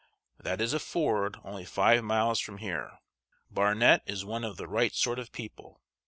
"That is a ford only five miles from here. Barnet is one of the right sort of people.